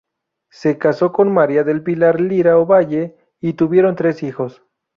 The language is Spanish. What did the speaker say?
Se casó con María del Pilar Lira Ovalle y tuvieron tres hijos.